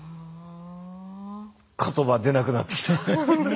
言葉出なくなってきた。